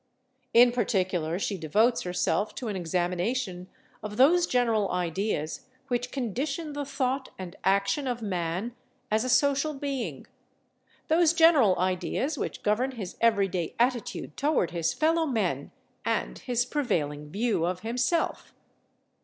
In particular, she devotes herself to an examination of those general ideas which condition the thought and action of man as a social being—those general ideas which govern his everyday attitude toward his fellow men and his prevailing view of himself.